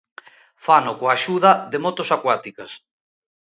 Fano coa axuda de motos acuáticas.